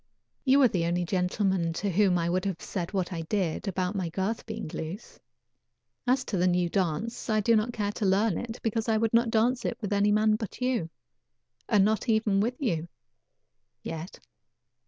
You are the only gentleman to whom I would have said what I did about my girth being loose. As to the new dance, I do not care to learn it because I would not dance it with any man but you, and not even with you yet."